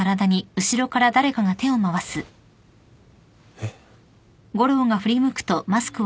えっ？